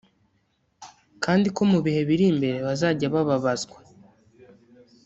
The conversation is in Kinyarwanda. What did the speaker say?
kandi ko mu bihe biri imbere bazajya bababazwa